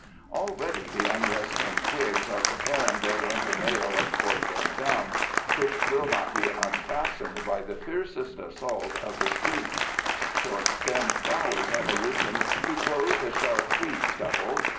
Already the unresting twigs are preparing their winter mail of cork and gum, which will not be unfastened by the fiercest assaults of the sleet. Short stemmed flowers have arisen to clothe the sharp wheat stubble.